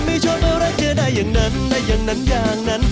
ไม่ชอบอะไรเจอได้อย่างนั้นได้อย่างนั้นอย่างนั้น